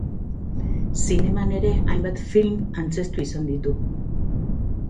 Zineman ere hainbat film antzeztu izan ditu.